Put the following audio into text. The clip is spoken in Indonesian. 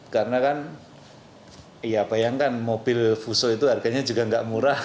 karena kan ya bayangkan mobil fuso itu harganya juga nggak murah